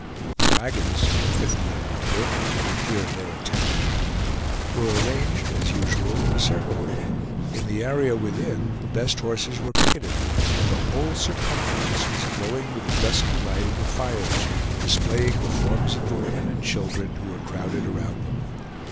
The wagons, some fifty in number, with here and there a tent intervening, were arranged as usual in a circle; in the area within the best horses were picketed, and the whole circumference was glowing with the dusky light of the fires, displaying the forms of the women and children who were crowded around them.